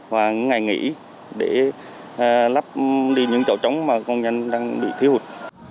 và ngày nghỉ để lắp đi những chỗ trống mà công nhân đang bị thí hụt